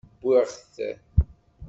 Wwiɣ-t.